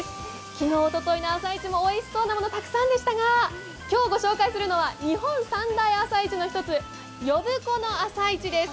昨日、おとといの朝市もおいしそうなもの、たくさんでしたが、今日ご紹介するのは日本三大朝市の１つ呼子の朝市です。